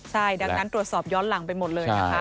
ใช่ดังนั้นตรวจสอบย้อนหลังไปหมดเลยนะคะ